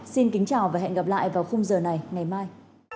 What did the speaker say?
xin kính chào và hẹn gặp lại vào khung giờ này ngày mai